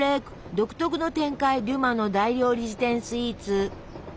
独特の展開デュマの「大料理事典」スイーツ。